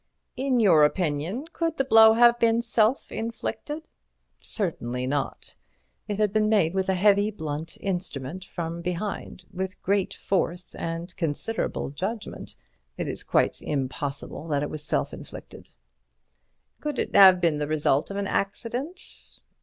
"In your opinion, could the blow have been self inflicted?" "Certainly not. It had been made with a heavy, blunt instrument from behind, with great force and considerable judgment. It is quite impossible that it was self inflicted." "Could it have been the result of an accident?"